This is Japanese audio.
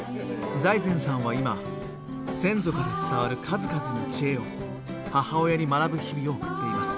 財前さんは今先祖から伝わる数々の知恵を母親に学ぶ日々を送っています。